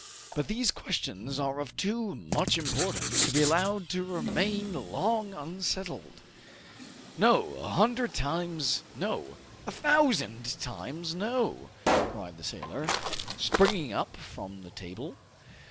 But these questions are of too much importance to be allowed to remain long unsettled." "No! a hundred times no! a thousand times no!" cried the sailor, springing up from the table.